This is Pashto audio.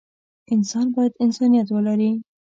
انسان بايد انسانيت ولري.